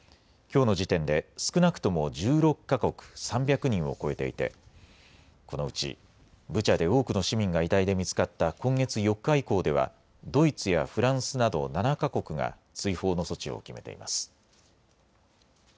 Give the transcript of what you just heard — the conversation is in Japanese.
きょうの時点で少なくとも１６か国、３００人を超えていてこのうち、ブチャで多くの市民が遺体で見つかった今月４日以降ではドイツやフランスなど７か国が追放の措置を決めています。